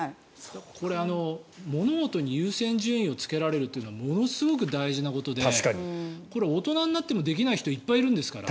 これ、物事に優先順位をつけられるのはものすごく大事なことでこれ、大人になってもできない人いっぱいいるんですから。